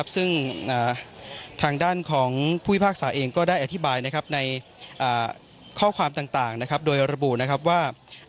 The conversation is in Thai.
ซึ่งทางด้านของผู้พิพากษาเองก็ได้อธิบายในข้อความต่างโดยระบุนะครับว่า